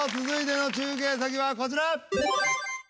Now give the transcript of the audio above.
続いての中継先はこちら。